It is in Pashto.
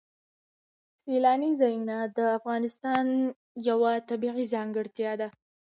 سیلانی ځایونه د افغانستان یوه طبیعي ځانګړتیا ده.